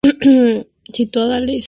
Situada al este.